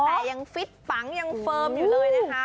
แต่ยังฟิตปังยังเฟิร์มอยู่เลยนะคะ